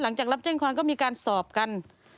หลังจากรับแจ้งความก็มีการสอบกัน